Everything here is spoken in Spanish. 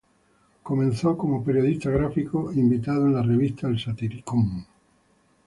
Comenzó como periodista gráfico invitado en la revista "Satiricón".